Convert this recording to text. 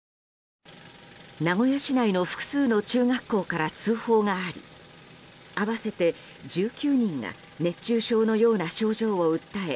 名古屋市内の複数の中学校から通報があり合わせて１９人が熱中症のような症状を訴え